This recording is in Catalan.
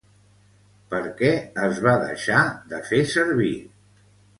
Per què es va deixar de fer servir?